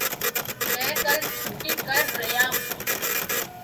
میں کل چھٹی کر ریا ہوں